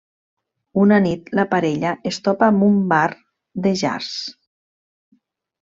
Una nit, la parella es topa amb un bar de jazz.